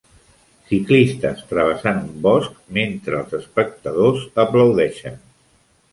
Ciclistes travessant un bosc mentre els espectadors aplaudeixen